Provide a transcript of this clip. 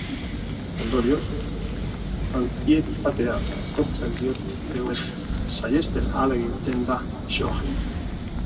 Ondorioz, antsietatea sortzen dioten egoerak saihesten ahalegintzen da gaixoa.